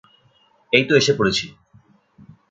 এইতো এসে পড়েছি।